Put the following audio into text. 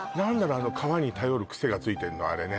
あの皮に頼るクセがついてんのあれね